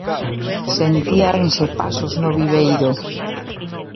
Sentíanse pasos no vieiro!